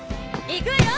いくわよ！